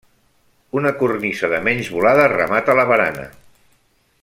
Una cornisa de menys volada remata la barana.